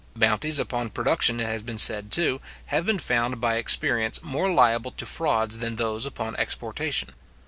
Bounties upon production, it has been said too, have been found by experience more liable to frauds than those upon exportation.